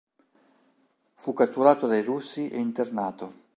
Fu catturato dai russi e internato.